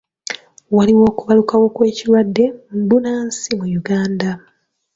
Waliwo okubalukawo kw'ekirwadde bbunansi mu Uganda.